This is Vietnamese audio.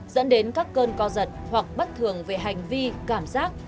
dẫn đến các cơn co giật hoặc bất thường về hành vi cảm giác